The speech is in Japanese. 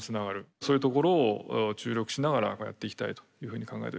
そういうところを注力しながらやっていきたいというふうに考えております。